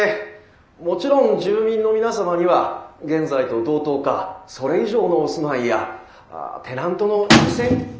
もちろん住民の皆様には現在と同等かそれ以上のお住まいやテナントの優先。